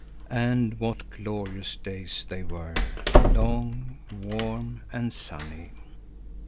And what glorious days they were, long, warm, and sunny!